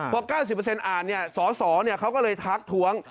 พอ๙๐เปอร์เซ็นต์อ่านส่อเขาก็เลยทักถวง